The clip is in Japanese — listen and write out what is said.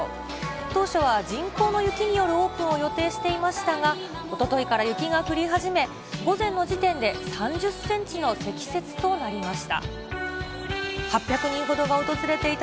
当初は人工の雪によるオープンを予定していましたが、おとといから雪が降り始め、午前の時点で３０センチの積雪となりました。